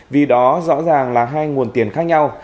vì đó rõ ràng là hai nguồn tiền khác nhau